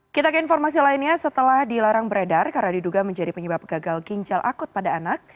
kita ke informasi lainnya setelah dilarang beredar karena diduga menjadi penyebab gagal ginjal akut pada anak